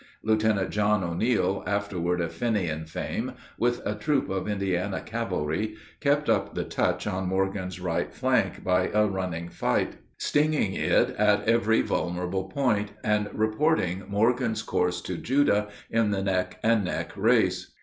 Lieutenant John O'Neil, afterward of Fenian fame, with a troop of Indiana cavalry, kept up the touch on Morgan's right flank by a running fight, stinging it at every vulnerable point, and reporting Morgan's course to Judah in the neck and neck race.